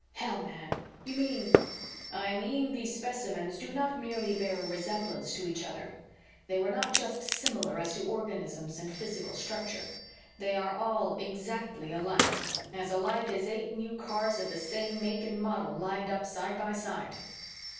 "Hell, man! You mean " "I mean these specimens do not merely bear a resemblance to each other. They were not just similar as to organisms and physical structure. They were all exactly alike; as alike as eight new cars of the same make and model lined up side by side